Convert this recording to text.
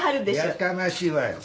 やかましいわい。